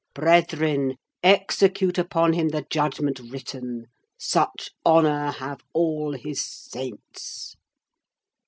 Brethren, execute upon him the judgment written. Such honour have all His saints!"